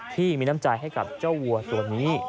ที่มีน้ำใจให้กับเจ้าวัวตัวนี้